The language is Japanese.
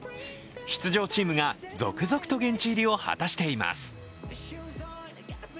出場チームが続々と現地入りを果たしています。